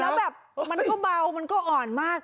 แล้วแบบมันก็เบามันก็อ่อนมาก